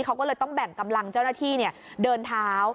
เขาก็เลยต้องแบ่งกำลังเจ้าหน้าที่เดินเท้า